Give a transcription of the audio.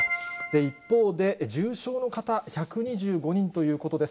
一方で重症の方、１２５人ということです。